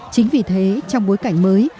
chính vì thế trong bối cảnh mới